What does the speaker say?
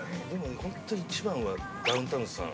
◆本当に一番はダウンタウンさん。